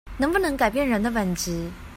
能不能改變人的本質